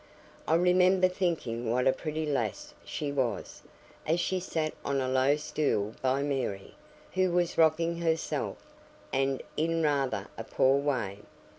I remember thinking what a pretty lass she was, as she sat on a low stool by Mary, who was rocking herself, and in rather a poor way.